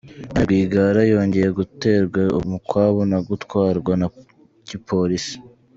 Diane Rwigara yongeye guterwa umukwabu no gutwarwa n'igipolisi.